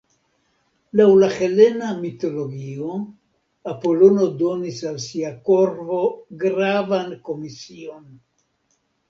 Laŭ la helena mitologio, Apolono donis al sia korvo gravan komision.